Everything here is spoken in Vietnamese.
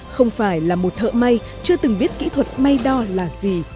không phải là một thợ may chưa từng biết kỹ thuật may đo là gì